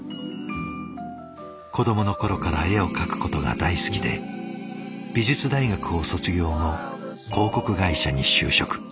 子どもの頃から絵を描くことが大好きで美術大学を卒業後広告会社に就職。